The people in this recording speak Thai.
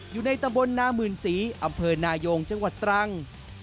อยู่ในตำบลนามื่นศรีอำเภอนายงจังหวัดตรัง